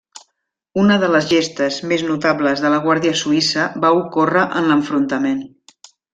Una de les gestes més notables de la Guàrdia suïssa va ocórrer en l'enfrontament.